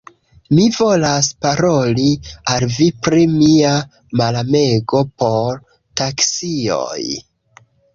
Mi volas paroli al vi pri mia malamego por taksioj.